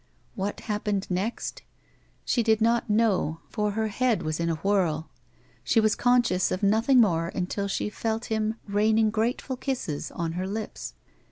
What happened next 1 She did not know, for her head was in a whirl. She was conscious of nothing more until she felt him raining grateful kisses on her lips.